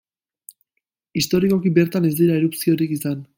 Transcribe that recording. Historikoki bertan ez dira erupziorik izan.